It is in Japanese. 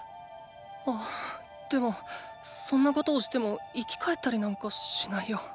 あでもそんなことをしても生き返ったりなんかしないよ。